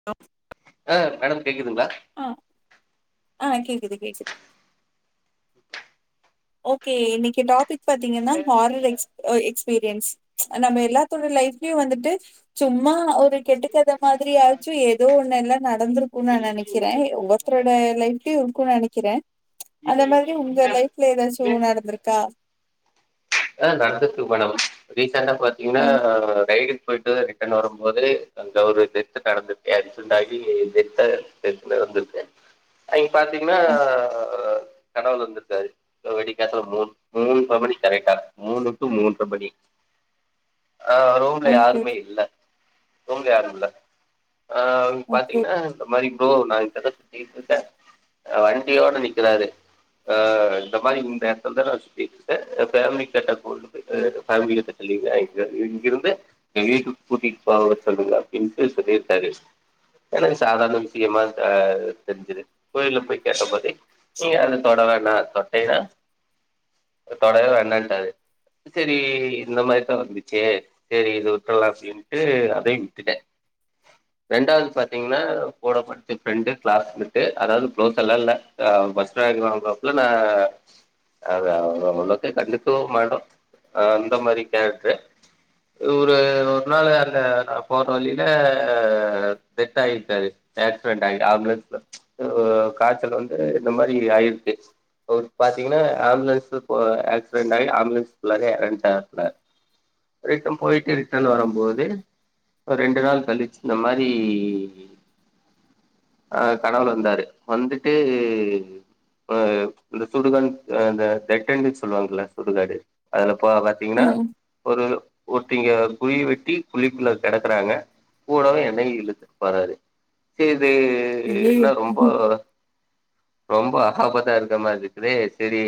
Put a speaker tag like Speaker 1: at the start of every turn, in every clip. Speaker 1: [inaudible]
Speaker 2: ஆ madam கேக்குதுங்களா
Speaker 1: ஆ ஆ கேக்குது கேக்குது ஓகே இன்னைக்கி டாபிக் பாத்தீங்கன்னா ஹாரர் எக்ஸ் எக்ஸ்பீரியன்ஸ் நம்ம எல்லாத்தோட லைஃப்லயு வந்துட்டு சும்மா ஒரு கெட்டுக்கதை மாதிரி ஆச்சும் ஏதோ ஒன்னு எல்லா நடந்திருக்கு நா நெனைக்கிற ஒவ்வொரு த்தரோட லைஃப்லயு இருக்கு நெனைக்கிற அந்த மாதிரி உங்க லைஃப்ல ஏதாச்சு நடந்ருக்கா
Speaker 2: ஆ நடந்தக்கு மேடம் ரீசெண்டா பாத்தீங்கன்னா
Speaker 1: ம்,
Speaker 2: ரைடுக்கு போயிட்டு ரீ ட்டன் வரும்போது அங்க ஒரு டெத்து நடந்திருக்கு [unintelligible] டாகி டெத டெத் நடந்திருக்கு அங்க பாத்தீங்கன்னா
Speaker 1: ஓ-
Speaker 2: கடவுள் வந்திருக்காரு வெடிய காத்தால மூண் மூன்ற மணி கரெக்டா மூணு டு மூன்ற மணி ஆ ரூம்ல
Speaker 1: ஓகே
Speaker 2: யாருமே இல்ல ரூம்ல யாரும் இல்ல ஆ
Speaker 1: ஓகே
Speaker 2: பாத்தீங்கன்னா இந்த மாரி ப்ரோ நா [unintelligible] வண்டியோட நிகிறாரு ஆ இந்த மாரி இந்த எடத்தல தா நா சுத்திட்டுருக்க என் ஃபேமிலி கட்ட கொண்டு போய் ஆ சாமி கிட்ட சொல்லியிருந்த இங்கிருந்து வீட்டுக்கு கூடிட் போக சொல்லுங்க அப்டியின்டு சொல்லியிருக்காரு எனக்கு சாதாரண விஷயமா தா தெரிஞ்சுது கோயிலல போய் கேட்ட போது நீ அத தொட வேணா தொட்டைன்னா தொடவே வேண்டான்டாறு செரி இந்த மாரி தா வந்துச்சு செரி இது விட்றலாண்டு அப்டின்ட்டு அதையு விட்டுட்டே ரெண்டாவது பாத்தீங்கன்னா கூட படிச்ச ஃப்ரெண்டு கிளாஸ் மெட்டு அதாவது க்ளோஸ் எல்லா இல்ல ஆ பஸ்ட் ரேங்க் வாங்குவாப்புல நா அத அவ்ளோக்க கண்டுக்கவும் மாட் ஆ அந்த மாரி கேரக்ட்ரு இவரு ஒரு நாள் அந்த நா போற வழியில டெத் ஆயிட்டாரு ஆக்சிடென்ட் ஆகி ஆம்புலன்ஸ்ல உ காய்சல் வந்து இந்த மாரி ஆயிருக்கு ஒரு பாத்தீங்கன்னா ஆம்புலன்ஸ்கு போ ஆக்சிடென்ட் ஆகி ஆம்புலன்ஸ் உள்ளக்கயே எறந்ட்டாப்பிள ரிட்டன் போயிட்டு ரிட்டர்ன் வர
Speaker 1: ம்
Speaker 2: போது ஒரு ரெண்டு நாள் கழிச்சு இந்த மாரி ஆ கனவுல வந்தாரு வந்துட்டு இப்ப இந்த சுடுகான் அ அந்த தெட்டன்பிஸ் சொல்லுவாங்கள சுடுகாடு அதுல பா பாத்தீங்கன்னா
Speaker 1: ம்
Speaker 2: ஒரு ஒருத்திங்க குழி வெட்டி குழிக்குள்ள கெடக்குறாங்க கூடவே என்னையு இழுதுட்டு போறாரு சே இது
Speaker 1: ஐயையோ.
Speaker 2: னா ரொம்ப
Speaker 1: ம்
Speaker 2: ரொம்ப அகாபத்தா இருக்க மாரி இருக்குதே செரி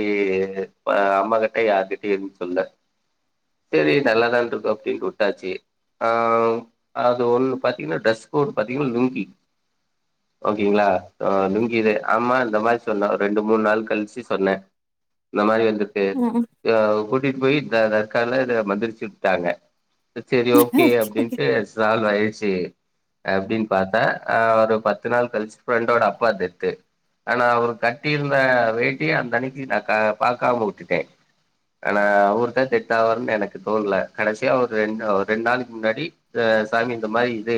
Speaker 2: பா அம்மா கிட்ட யார் கிட் சேரின் சொல்ல செரி நல்லாதான் இருக்காப்பிடினுட்டு வுட்டாச்சி ஆ அது ஒண்ணு பாத்தீங்கன்னா ட்ரெஸ் கோடு பாத்தீங்கன்னா லுங்கி ஓகேங்களா ஆ லுங்கிது ஆமா இந்த மாரி சொன்னோ ரெண்டு மூணு நாள் கழிச்சு சொன்னே இந்த மாரி வந்துட்டு
Speaker 1: ஆ
Speaker 2: ஆ கூட்டிட்டு போய் த தர்கால இத மந்திரிச்சு வுட்டாங்க செரி ஓகே அப்டின்ட்டு சால்வ் ஆயிருச்சு அப்டின்னு பாத்தா ஆ ஒரு பத்து நாள் கழிச்சு ஃப்ரெண்டோட அப்பா டெத்து ஆனா அவரு கட்டியிருந்த வேட்டிய அந்த அன்னைக்கி நா கா பாக்காம வுட்டுட்டே ஆனா அவரு தான் டெத் ஆவாருன்னு எனக்கு தோண்ல கடசியா ஒரு ரெண்டு ரெண்டு நாளைக்கி முன்னாடி அ சாமி இந்த மாரி இது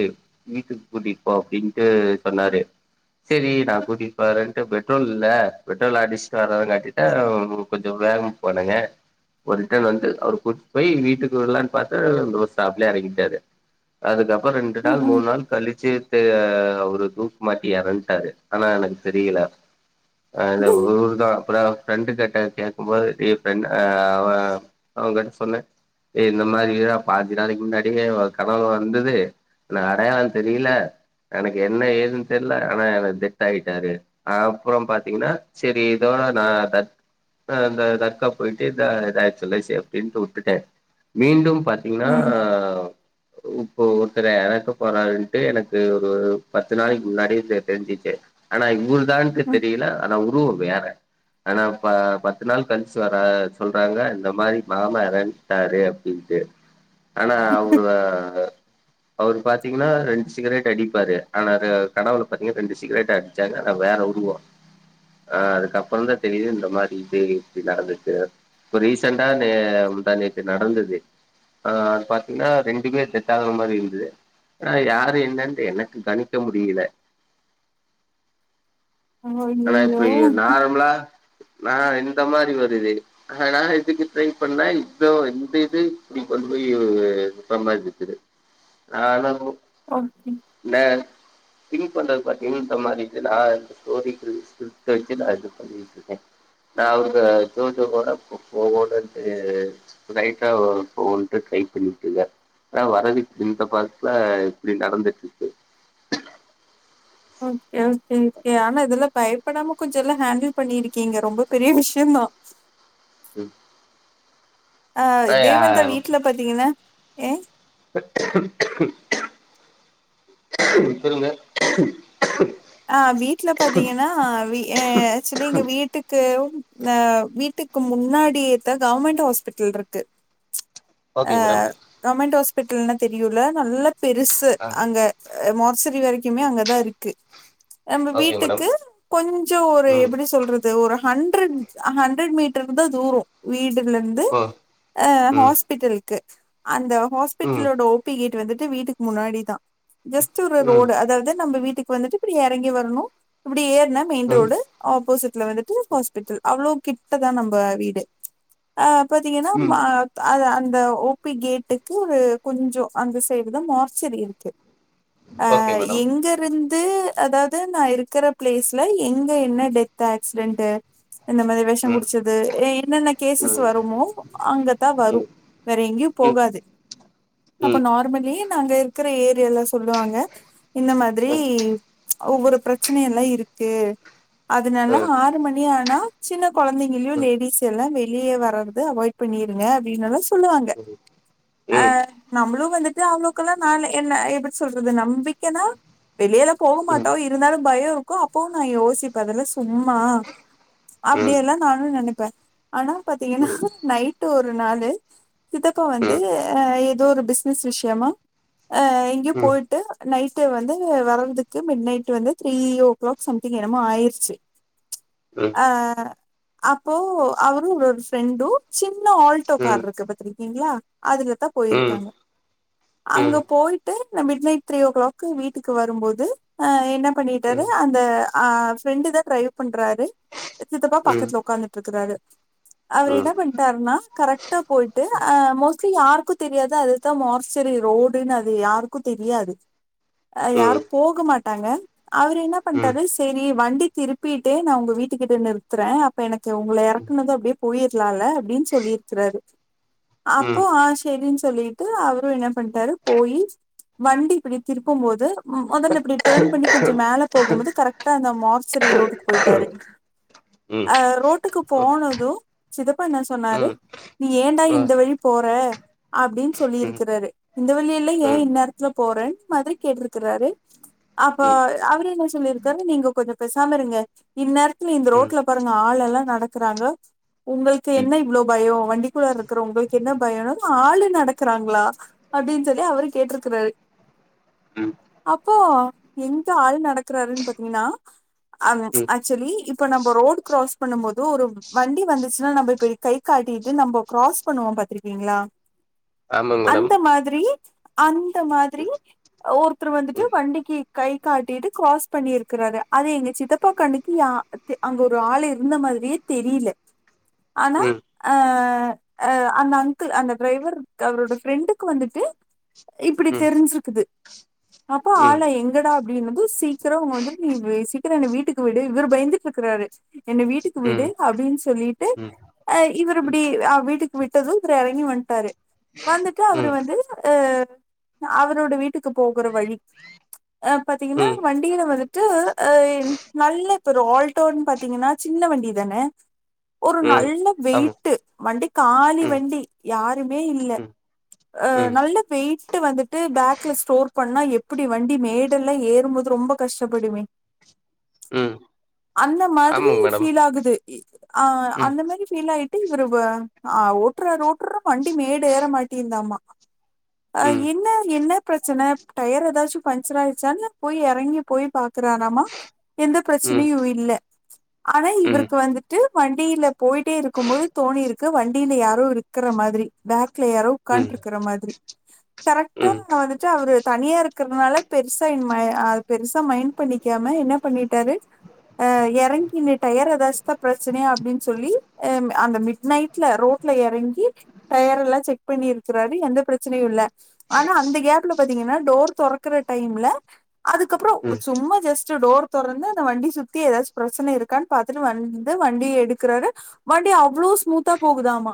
Speaker 2: வீட்டுக்கு கூட்டிப்போ அப்டின்ட்டு சொன்னாரு செரி நா கூட்டிட்டு போரேன்ட்டு பெட்ரோல் இல்ல பெட்ரோல் அடிச்சுட்டு வரே லா கிட்டா கொஞ்சோ வேகமா போனேங்க ஒரு ரிட்டன் வந்து அவரு கூட்டிட்டு போய் வீட்டுக்கு விடலான்னு பாத்தா இந்த ஒரு ஸ்டாப்லயே எறங்கிட்டாரு அதுக்கப்பறோ ரெண்டு நாள் மூணு
Speaker 1: ம்
Speaker 2: நாள் கழிச்சு ட்டு அவரு தூக்குமாட்டி எறன்ட்டாரு ஆனா எனக்கு தெரியல அ
Speaker 1: ம்
Speaker 2: என்னோட ஊர் தா அப்பறோ ஃப்ரெண்டு கிட்ட கேட்குபோது டே ஃப்ரெண்ட ஆ அவ அவ கிட்ட சொன்னே ஏ இந்த மாரிடா பாஞ்சு நாளைக்கி முன்னாடியே ஓ கனவுல வந்தது நா அடையலா தெரியல எனக்கு என்ன ஏதுன்னு தெரில ஆனா என டெத் ஆகிட்டாரு அப்பறோ பாத்தீங்கன்னா செரி இதோ நா தர்க் அ இந்த தர்காப் போயிட்டு இத இதா ஆயிருச்சுல சேஃப்டி ட்டு வுட்டுட்டே மீண்டும் பாத்தீங்கன்னா
Speaker 1: ம்
Speaker 2: இப்போ ஒருத்தர் எறக்க போறாருன்ட்டு எனக்கு ஒரு பத்து நாளைக்கி முன்னாடியே தெ தெரிஞ்சிச்சு ஆனா இவரு தான்க்கு
Speaker 1: ம்.
Speaker 2: தெரியல ஆனா உருவோ வேற ஆனா ப பத்து நாள் கழிச் வர சொல்றாங்க இந்த மாரி மாமா எறந்துட்டாரு அப்டின்ட்டு ஆனா அவரு தா அவரு பாத்தீங்கன்னா ரெண்டு சிகரேட் அடிப்பாரு ஆனா அது கனவுல பாத்தீங்கன்னா ரெண்டு சிகரேட் அடி ச்சாரு ஆனா வேற உருவோ ஆ அதுக்கப்பறோ தா தெரியுது இந்த மாரி இது இப்டி நடந்துக்கு இப்ப ரீசன்ண்டா இது முந்தா நேத்து நடந்தது ஆ அது பாத்தீங்கன்னா ரெண்டு பேர் டெத் ஆகுற மாரி இருந்தது ஆனா யாரு என்னன்னு எனக்கு கணிக்க முடியல ஆனா இப்ப ஏ நார்மலா ஆ இந்த மாரி வருது ஆனா இதுக்கு ட்ரை பண்ணா இத்தோ இந்த இது இப்டி கொண்டு போய் இப்ப மாரி ருக்குது ஆடானு
Speaker 1: அப்றோ ம்
Speaker 2: ந திங் பண்றது பாத்தீங்னா இந்த மாரி இது நா இந்த ஸ்டோரி [inaudible] ஸ்கிரிப்ட்ட வெச்சே நா இது பண்ணிட்ருக்கே நா அந்த தூண்டுதலோட போ போலான்ட்டு ரைட்ரா போகோன்ட்டு ட்ரை பண்ணிட்ருக்க ஆ வரவித் இந்த பஸ்ல இப்டி நடந்துச்சு
Speaker 1: ஓகே ஓகே ஓகே ஆனா இதெல்லா பயப்படாம கொஞ்சல்லா ஹேண்டில் பண்ணிருக்கீங்க ரொம்ப பெரிய விஷ்யந்தா
Speaker 2: ம்
Speaker 1: ஆ இதே
Speaker 2: ஆ
Speaker 1: வந்தா வீட்ல பாத்தீங்கன்னா ஏ
Speaker 2: சொல்லுங்க
Speaker 1: ஆ வீட்ல பாத்தீங்கன்னா வீ ஆக்சுலி எங்க வீட்டுக்கு அ வீட் டுக்கு முன்னாடியேதா கவுர்மெண்ட் ஹாஸ்பிட்டல்ருக்கு அ
Speaker 2: ஓகே மேடம்
Speaker 1: கவ்ர்மெண்ட் ஹாஸ்பிட்டல்னா தெரியுல்ல நல்ல பெருசு
Speaker 2: ஆ
Speaker 1: அங்க மார்ச்ச ரி வரைக்குமே அங்கதா இருக்கு நம்ம
Speaker 2: ஓகே மேடம்
Speaker 1: வீட்டுக்கு கொஞ்சோ ஒரு
Speaker 2: ம்
Speaker 1: எப்பிடி சொல்ற து ஒரு ஹண்ட்ரட் ஹண்ட்ரட் மீட்டர் தா தூரோ வீடுலர்ந்து
Speaker 2: ப
Speaker 1: அ ஹாஸ்பிட்டல்க்கு அந்த
Speaker 2: ம்
Speaker 1: ஹாஸ்பிட்டலோட ஓ பி கேட் வந்துட்டு வீட்டுக் முன்னாடி தா ஜஸ்ட்டு ஒரு
Speaker 2: ம்
Speaker 1: ரோடு அதாவ்து நம்ப வீட்டுக் வந்துட்டு இப்டி எறங்கி வரணு இப்டி ஏற்னா மெய்ன்
Speaker 2: ம்
Speaker 1: ரோடு ஆப்போசிட்ல வந்துட்டு ஹாஸ்பிட்டல் அவ்ளோ கிட்டதா நம்ப வீடு ஆ பாத்தீங்கன்னா
Speaker 2: ம்
Speaker 1: மா அதா அந்த ஓ பி கேட்டுக்கு ஒரு கொஞ்சோ அந்த சைடு தா மார்ச்சரி இருக்கு அ
Speaker 2: ஓகே மேடம்
Speaker 1: எங்கருந்து அதாவ்து நா இருக்கற ப்ளேஸ்ல எங்க என்ன டெத் ஆக்ஸ்ரென்ட்டு இந்த மாதிரி வெஷோ
Speaker 2: ம்
Speaker 1: குடிச்சது எ என்னென்ன கேசஸ்
Speaker 2: ம்
Speaker 1: வருமோ அங்கதா வரு
Speaker 2: ம்
Speaker 1: வேற எங்கயு
Speaker 2: ம் ம்
Speaker 1: போகாது அப்ப
Speaker 2: ம் ம்
Speaker 1: நார்மலி நாங்க இக்கற ஏரியலா சொல்லுவாங்க இந்த மாதிரி ஒவ்வொரு பிரச்சனையல்லா இருக்கு அதுனால
Speaker 2: ம் ம்
Speaker 1: ஆறு மணி ஆனா சின்ன கொழந்தைகள்யு
Speaker 2: ம்
Speaker 1: லேடிஸ் எல்லா வெளிய வரருது அவாய்ட் பண்ணீருங்க அப்டின்னல்லா சொல்லுவாங்க
Speaker 2: ம் ம் ம் ம் ம்
Speaker 1: அ நம்மளு வந்துட்டு அவங்கள்க்கெல்லா நாலே என்ன எப்பிடி சொல்றது நம்பிக்கன்னா வெளியல போக ட்டாவு இருந்தாலு பயோ இருக்கு அப்பவு நா யோசிப்ப அதெல்லா சும்மா அப்டி எல்லா நானு நெனைப்ப ஆனா பாத்தீங்கன்னா
Speaker 2: ம்
Speaker 1: நைட்டு ஒரு நாளு சித்தப்பா வந்து அ எதோ ஒரு பிஸ்னஸ் விஷ்யமா அ எங்யோ போய்ட் டு நைட்டு வந்து வரற்துக்கு மிட் நைட் டு வந்து த்ரீயோ க்ளாக் சம்திங் என்னமோ ஆயிர்ச்சு
Speaker 2: ம்
Speaker 1: அ அப்போ அவுரு அவுர் ஃப்ரெண்டு சின்ன ஆல்டோ கார்ருக்கு பாத் திருக்கீங்ளா அதுல தா போயிருக்காங்க அங்க போய்ட்டு இந்த மிட் நைட் த்ரீயோ க்ளாக் கு வீட்டுக்கு வரும்போது அ என்ன பண்ணீட்டாரு அந் த அ ஃப்ரெண்டு் தா ட்ரைவ் பண்றாரு சித்தப்பா
Speaker 2: ம்
Speaker 1: பக்கத்துல உக்காந்துட்ருக்கறாரு அவுரு இன்ன பண்ட்டார்னா கரெக்ட் டா போய்ட்டு அ மோஸ்ட்லி யாருக்கு தெரியாது அதுதா மார்ச்சரி ரோடுன் அது யாருக்கு தெரியாது அ யாரு
Speaker 2: ம் ம்
Speaker 1: போக மாட்டாங்க அவுரு இன்னா
Speaker 2: ம்
Speaker 1: பண்ட்டாரு செரி வண்டி திருப்பீட்டு நா உங்க வீட்டுகிட்ட நிறுத்துறே அப்ப எனக்கு உங்கள
Speaker 2: ம்
Speaker 1: எறக்குனது அப்டியே போயிர்லால்ல அப்டின் சொல்லிர்க்றாரு அப்போ
Speaker 2: ம்
Speaker 1: ஆஷ் செரின்னு சொல்லிட்டு அவரு என்ன பண்ணிட்டாரு போயி வண்டி இப்டி திருப்பும் போது மெதல்ல இப்டி டர்ன் பண்ணி கொஞ்ச மேல போகும்போது கரெக்டா அந்த மார்சரி ரோடுக்கு போயிட்டாரு
Speaker 2: ம்
Speaker 1: அ ரோட் டுக்கு
Speaker 2: ம்
Speaker 1: போனது சிதப்பா என்ன சொன்னாரு
Speaker 2: ம்
Speaker 1: நீ ஏன்டா
Speaker 2: ம்
Speaker 1: இந்த வழி போற அப்டின் சொல்லி
Speaker 2: ம்
Speaker 1: இருக்குறாரு இந்த வழியல்லா ஏ இந்நேரத்துல போறேன் மாதிரி கேட்டிருக்கிறாரு அப்ப அவரு என்ன சொல்லிருக்காரு நீங்க கொஞ்ச பேசாம இருங்க இந்நேரத்துல இந்த
Speaker 2: ம் ம்
Speaker 1: ரோட்ல பாருங்க ஆள் எல்லா நடக்கறாங்க உங்களுக்கு
Speaker 2: ம்
Speaker 1: என்ன இவ்ளோ பயோ வண்டிக்குள்ளார இருக் குர உங்களுக்கு என்ன பயோன ஆளு நடக்கறாங்களா அப்டின்னு சொல்லி அவுரு கேட்ருக்குறாரு அப்போ எங்க ஆள் நடக் குராறுன் பாத்தீங்கன்னா அங்
Speaker 2: ம்
Speaker 1: ஆக்சுவலி இப்ப நம்ம ரோடு கிராஸ் பண்ணும் போது ஒரு வண்டி வந்துச்சுன்னா நம்ம இப்டி கை காட்டிட்டு நம்ம கிராஸ் பண்ணுவோ பாத்துருக்கீங்ளா
Speaker 2: ஆமாங்க மேடம்
Speaker 1: அந்த மாதிரி அந்த மாதிரி ஒருத்தர் வந்துட்டு
Speaker 2: ம்
Speaker 1: வண்டிக்கி கை காட்டிட்டு கிராஸ் பண்ணிருக்கிறாரு அது எங்க சித்தப்பா கண்ணுக்கு யா தே அங்க ஒரு ஆள் இருந்த மாரியே தெரில ஆனா
Speaker 2: ம்
Speaker 1: அ அ அந்த அங்கிள் அந்த டிரைவர் அவரோட ஃப்ரண்டுக்கு வந்துட்டு இப்டி
Speaker 2: ம்
Speaker 1: தெரிஞ்சிருக்குது அப்போ
Speaker 2: ம் ம்
Speaker 1: ஆளா எங் கடா அப்டின்னது சீக்கிரோ அவுங்க வந்து நீ சீக்கிர என்ன வீட்டுக்கு விடு இவுரு பயந்துட்டு இருக்கிறாரு என்ன வீட்டுக்கு விடு
Speaker 2: ம்
Speaker 1: அப்டின் சொல்லிட்டு அ இவரு இப்டி ஆ வீட்டுக்கு விட்டது இவுரு எறங்கி வன்டாரு வந்துட்டு அவுரு
Speaker 2: ம்
Speaker 1: வந்து அ அவரோட வீட்டுக்கு போகுற வழி அ பாத்தீங்கன்னா
Speaker 2: ம்
Speaker 1: வண் டில வந்துட்டு அ நல்ல த்ரோ ஆல்டோன் பாத்தீங்கன்னா சின்ன வண்டி தானே ஒரு
Speaker 2: ம்
Speaker 1: நல்ல
Speaker 2: ஆமா
Speaker 1: வெயிட்டு வண்டி காலி
Speaker 2: ம்
Speaker 1: வண்டி யாருமே இல்ல
Speaker 2: ம் ம்
Speaker 1: நல்ல வெயிட்டு வந்துட்டு பேக்ல ஸ்டோர் பண்ணா எப்டி வண்டி மேட் டெல்லா ஏறும்போது ரொம்ப கஷ்டபடுமே
Speaker 2: ம்
Speaker 1: அந்த மாதிரி
Speaker 2: ஆமாங்க மேடம்
Speaker 1: ஃபீல் ஆகுது இ ஆ
Speaker 2: ம்
Speaker 1: அந்த மாரி ஃபீல் ஆயிட்டு இவரு வ ஆ ஓட்றாரு ஓட்றா வண்டி மேடு ஏற மாட்டிங்குதாமா அ
Speaker 2: ம்
Speaker 1: என்ன என்ன பிரச்சன டயர் ஏதாச்சு பஞ்சர் ஆயிர் சானுல போய் எறங்கி போய் பாக்குறாரமா எந்த
Speaker 2: ம் ம்
Speaker 1: பிரச்சனையு இல்ல ஆனா
Speaker 2: ம் ம்
Speaker 1: இவுருக்கு வந்து ட்டு வண்டில போயிட்டே இருக்கும் போது தோணி இருக்கு வண்டில யாரோ இருக்குற மாதிரி பேக்ல யாரோ
Speaker 2: ம் ம் ம் ம் ம் ம் ம்
Speaker 1: உக்காண்டு இருக்குற மாதிரி கரெக்
Speaker 2: ம்
Speaker 1: வந்துட்டு அவுரு தனியா இருக்கறதுனால பெருசு தைன்மயா பெருசா மைண்ட் பண்ணிக்காம என்ன பண்ணிட்டாரு ஆ எறங்கினு டயர் ஏதாச்சு தா பிரச்சனையா அப்புடின் சொல்லி அ அந்த மிட் நை ட்ல ரோட்ல எறங்கி டயர் எல்லா செக் பண்ணி இருக்குறாரு எந்த பிரச்சனையு இல்ல ஆனா அந்த கேப்ல பாத்தீங்கன்னா டோர் தெறக்குற டைம்ல அதுக்கப்புறோ
Speaker 2: ம் ம்
Speaker 1: சும்மா ஜஸ் டு டோர் தெறந்து அந்த வண்டி சுத்தி ஏதாச்சு பிரச்சன இருக்கான் பாத்துட்டு வந்து வண்டி எடுக்குறாரு வண்டி அவ்ளோ ஸ்மூத்தா போகுதாமா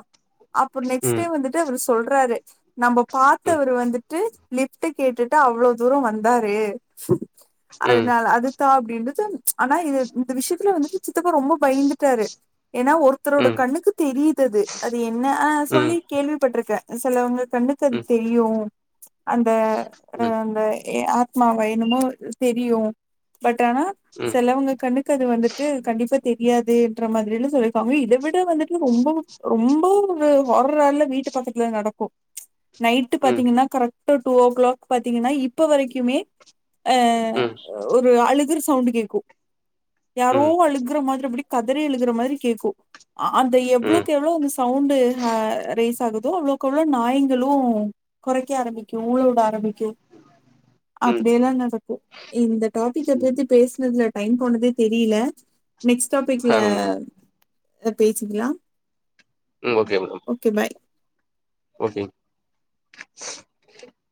Speaker 1: அப்ப நெக்ஸ்ட் டே வந்துட் டு அவரு சொல்றாரு நம்ம பாத்தவர் வந்துட்டு லிஃப்ட கேட்டுட்டு அவ்ளோ தூரோ வந் தாரு
Speaker 2: ம்
Speaker 1: அதுனால அதுதா அப்டின்னது ஆனா இது இந்த விஷயத்துல வந்துட்டு சித்தப்பா ரொம்ப பயந்துட்டாரு என்னா ஒருத்தரோட கண்ணுக்கு தெரியுது அது அது என்னா
Speaker 2: ம்
Speaker 1: சொல்லி கேள்விப்பட்டுருக்கே செலவங்க கண்ணுக்கு அது தெரியு அந்த அ அந்த ஆத்மாவா என்னமோ தெரியு பட் ஆனா செலவங்க கண்ணுக்கு அது வந்துட்டு கண்டிப்பா தெரியாதுன்ற மாதிரி எல்லா சொல்லியிருப்பாங்க இதை விட வந்துட்டு ரொம்ப ரொம்ப ஒரு ஓவரால வீட்டு பக்கத்துல நடக்கு நைட் பாத்தீங்கன்னா கரெக்டா டூ ஓ கிளாக் பாத்தீங்கன்னா இப்ப வரைக்குமே அ ஒரு அழுகற சவுண்ட் கேக்கு யாரோ அழுகுற மாதிரி அப்படி கதரி அழுகுற மாதிரி கேட்கு அந்த எவ்வளோக்கு எவ்வளவு அந்த சவுண்டு அ ரைஸ் ஆகுதோ அவ்வுளோக்கவுளோ நாயிங்களு கொறைக்க ஆரம்பிக்கு ஊளவிட ஆரம்பிக்கு
Speaker 2: ம்
Speaker 1: அப்படியெல்லா நடக்கு இந்த
Speaker 2: ம்
Speaker 1: டாபிக்கபத்தி பேசனதுல டைம் போனதே தெரியல நெக்ஸ்ட்
Speaker 2: ஆ
Speaker 1: டாபிக்ல
Speaker 2: ம்
Speaker 1: பேசிக்கலா
Speaker 2: ம் okay madam
Speaker 1: okay bye
Speaker 2: okay